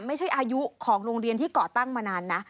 ไม่ใช่อายุของโรงเรียนที่เกาะตั้งมานานนะ